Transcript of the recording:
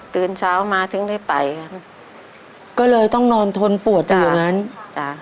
ตื่นเช้ามาถึงได้ไปค่ะก็เลยต้องนอนทนปวดอยู่อย่างนั้นจ้ะ